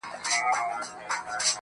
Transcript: یوه خولگۍ خو مسته، راته جناب راکه.